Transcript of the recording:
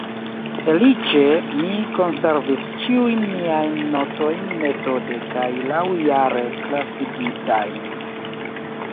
Feliĉe mi konservis ĉiujn miajn notojn metode kaj laŭjare klasigitajn.